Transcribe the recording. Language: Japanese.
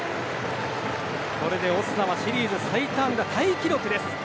これでオスナはシリーズ最多安打タイ記録です。